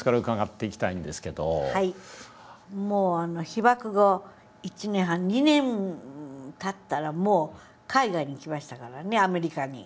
被爆後１年半２年たったらもう海外に行きましたからねアメリカに。